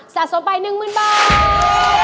สะสมไป๑๐๐๐บาท